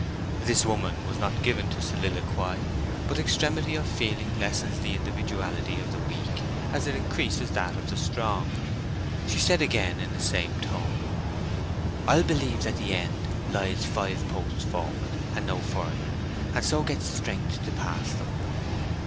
This woman was not given to soliloquy; but extremity of feeling lessens the individuality of the weak, as it increases that of the strong. She said again in the same tone, "I'll believe that the end lies five posts forward, and no further, and so get strength to pass them."